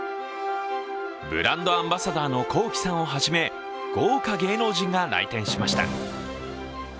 ブランドアンバサダーのＫｏｋｉ，さんをはじめ、豪華芸能人が来店しました。